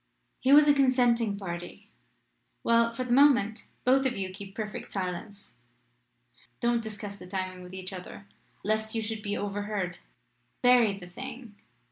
"He was a consenting party. Well; for the moment both of you keep perfect silence. Don't discuss the timing with each other lest you should be overheard: bury the thing.